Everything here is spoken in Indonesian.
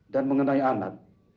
dan mengenai anak